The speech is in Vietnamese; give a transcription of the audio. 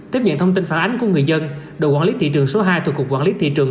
tiếp nhận thông tin phản ánh của người dân đội quản lý thị trường số hai thuộc cục quản lý thị trường